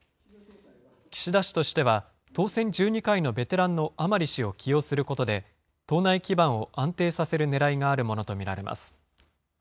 岸田氏としては、当選１２回のベテランの甘利氏を起用することで、党内基盤を安定させるねらいがあるものと見られます。